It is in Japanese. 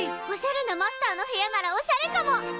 おしゃれなマスターの部屋ならおしゃれかも！